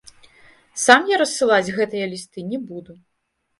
Сам я рассылаць гэтыя лісты не буду.